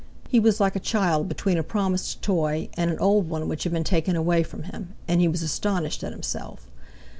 He was like a child between a promised toy and an old one which had been taken away from him; and he was astonished at himself.